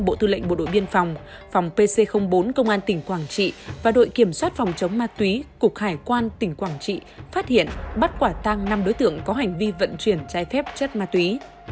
bộ tư lệnh bộ đội biên phòng phòng pc bốn công an tỉnh quảng trị và đội kiểm soát phòng chống ma túy cục hải quan tỉnh quảng trị phát hiện bắt quả tăng năm đối tượng có hành vi vận chuyển trái phép chất ma túy